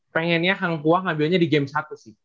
pengennya hang puas ngambilnya di game satu sih